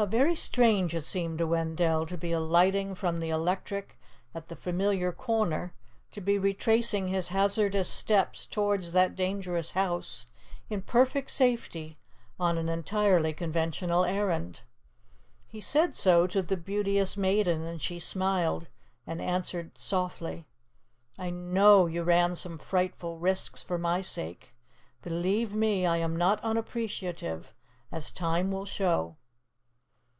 How very strange it seemed to Wendell to be alighting from the electric at the familiar corner, to be retracing his hazardous steps towards that dangerous house, in perfect safety, on an entirely conventional errand. He said so to the Beauteous Maiden, and she smiled and answered softly. "I know you ran some frightful risks for my sake. Believe me, I am not unappreciative, as time will show."